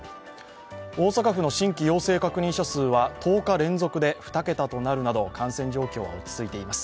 大阪府の新規陽性確認者数は１０日連続で２桁となるなど感染状況は落ち着いています。